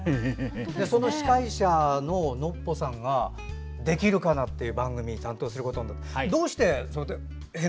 その司会者のノッポさんが「できるかな」という番組を担当することに。